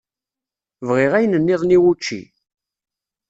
Bɣiɣ ayen-nniḍen i wučči.